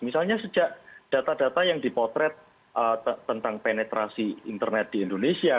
misalnya sejak data data yang dipotret tentang penetrasi internet di indonesia